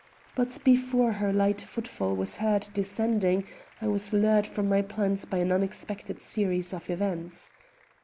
But before her light footfall was heard descending I was lured from my plans by an unexpected series of events.